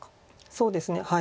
そうですねはい。